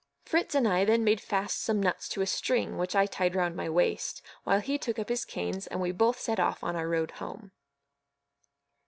Fritz and I then made fast some nuts to a string, which I tied round my waist, while he took up his canes, and we both set off on our road home.